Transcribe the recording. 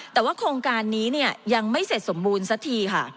แต่ว่าโครงการนี้เนี่ยยังไม่เสร็จสมบูรณ์สักทีค่ะ